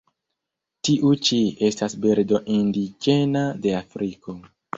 Tiu ĉi estas birdo indiĝena de Afriko.